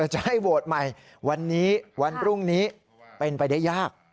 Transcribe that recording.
จะให้โหวตใหม่วันนี้วันพรุ่งนี้เป็นไปได้ยาก